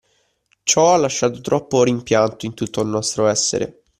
Ciò ha lasciato troppo rimpianto in tutto il nostro essere